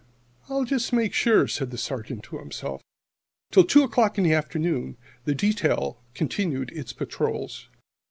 "I'll just make sure," said the Sergeant to himself. Till two o'clock in the afternoon the detail continued its patrols.